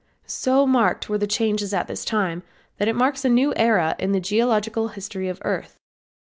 So marked were the changes at this time that it marks a new era in the geological history of the earth.